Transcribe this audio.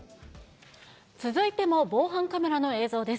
続いても防犯カメラの映像です。